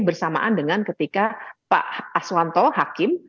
bersamaan dengan ketika pak aswanto hakim